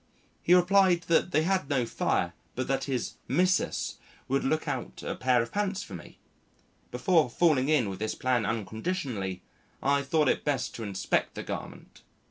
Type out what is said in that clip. He replied that they had no fire but that his "missus" would look out a pair of pants for me. Before falling in with this plan unconditionally, I thought it best to inspect the garment.